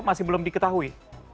masih belum diketahui